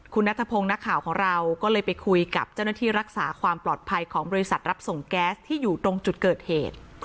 คุณนัทพงศ์นักข่าวของเราก็เลยไปคุยกับเจ้าหน้าที่รักษาความปลอดภัยของบริษัทรับส่งแก๊สที่อยู่ตรงจุดเกิดเหตุ